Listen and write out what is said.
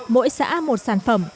mỗi xã một sản phẩm